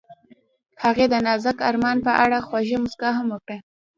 هغې د نازک آرمان په اړه خوږه موسکا هم وکړه.